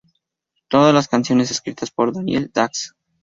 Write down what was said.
Todas las canciones escritas por Danielle Dax